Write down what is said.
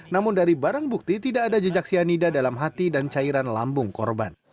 namun dari barang bukti tidak ada jejak cyanida dalam hati dan cairan lambung korban